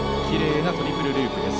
きれいなトリプルループ。